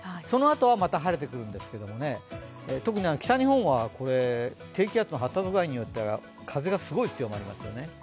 そのあとは、また晴れてくるんですけれども、特に北日本は低気圧の発達具合によっては風がすごい強まりますね。